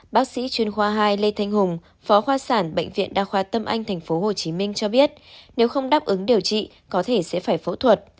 bác sĩ chuyên khoa hai lê thanh hùng phó khoa sản bệnh viện đa khoa tâm anh tp hcm cho biết nếu không đáp ứng điều trị có thể sẽ phải phẫu thuật